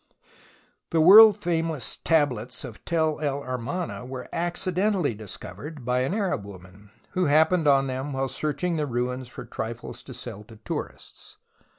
The world famous tablets of Tell el Amarna were accidentally discovered by an Arab woman, who happened on them while searching the ruins for trifles to sell to tourists.